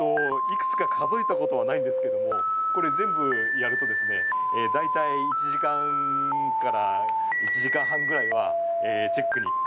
いくつか数えた事はないんですけどもこれ全部やるとですね大体１時間から１時間半ぐらいはチェックにかかってしまいます。